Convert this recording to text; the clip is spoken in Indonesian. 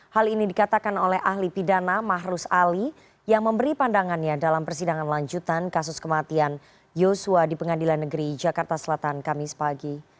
hal ini dikatakan oleh ahli pidana mahrus ali yang memberi pandangannya dalam persidangan lanjutan kasus kematian joshua di pengadilan negeri jakarta selatan kamis pagi